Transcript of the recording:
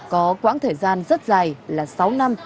có quãng thời gian rất dài là sáu năm